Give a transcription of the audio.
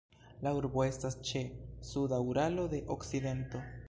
La urbo estas ĉe suda Uralo de okcidento.